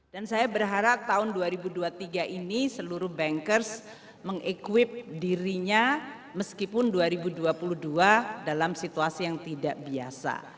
dan saya berharap tahun dua ribu dua puluh tiga ini seluruh bankers mengekwip dirinya meskipun dua ribu dua puluh dua dalam situasi yang tidak biasa